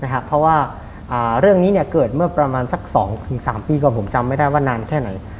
นะครับเพราะว่าเรื่องนี้เนี่ยเกิดเมื่อประมาณสักสามปีกว่าผมจำไม่ได้ว่านานแค่ไหน